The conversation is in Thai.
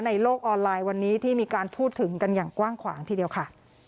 ในโลกออนไลน์วันนี้ที่มีการพูดถึงกันอย่างกว้างขวางทีเดียวค่ะ